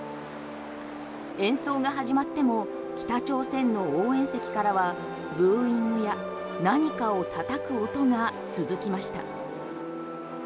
演奏が始まっても北朝鮮の応援席からはブーイングや何かを叩く音が続きました。